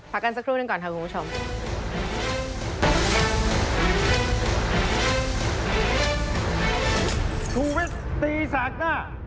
กันสักครู่หนึ่งก่อนค่ะคุณผู้ชม